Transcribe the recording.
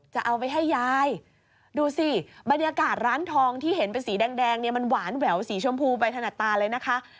จะเอาไปให้ยายดูสิบรรยากาศร้านทองที่เห็นเป็นสีแดงเนี่ยมันหวานแหววสีชมพูไปถนัดตาเลยนะคะ